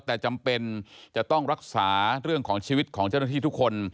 แต่จำเป็นจะต้องรักษาเรื่องของชีวิตของเจ้าหน้าที่ทุกคน